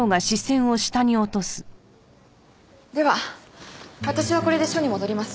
では私はこれで署に戻ります。